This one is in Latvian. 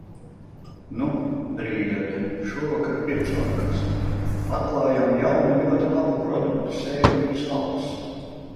Nu... priede. Šovakar pirts vakars. Atklājām jaunu, ļoti labu produktu – "Sēlijas alus".